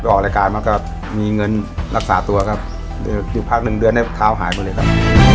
ออกรายการมาก็มีเงินรักษาตัวครับอยู่พักหนึ่งเดือนให้เท้าหายหมดเลยครับ